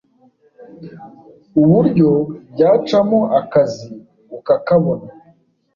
uburyo byacamo akazi ukakabona